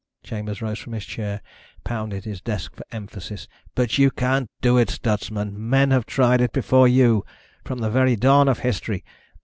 Chambers rose from his chair, pounded his desk for emphasis. "But you can't do it, Stutsman. Men have tried it before you, from the very dawn of history.